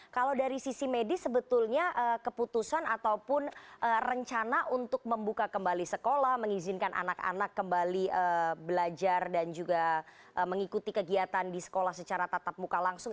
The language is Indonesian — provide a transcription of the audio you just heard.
kalau dari sisi medis sebetulnya keputusan ataupun rencana untuk membuka kembali sekolah mengizinkan anak anak kembali belajar dan juga mengikuti kegiatan di sekolah secara tatap muka langsung